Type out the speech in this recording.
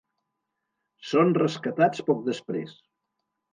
Són rescatats poc després.